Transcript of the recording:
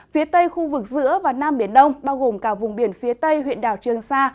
phía tây khu vực giữa và nam biển đông bao gồm cả vùng biển phía tây huyện đảo trường sa